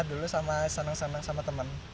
istirahat dulu sama seneng seneng sama temen